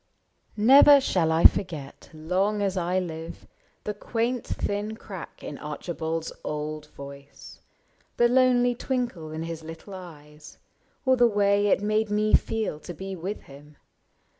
Never shall I forget, long as I live. The quaint thin crack in Archibald's old voice. The lonely twinkle in his little eyes. Or the way it made me feel to be with him.